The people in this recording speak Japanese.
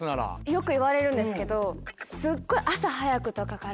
よく言われるんですけど。